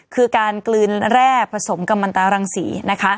คือการกลืนแร่ผสมกับมันตารังศรีนะคะ